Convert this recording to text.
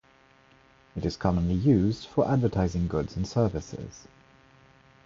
It is commonly used for advertising goods and services.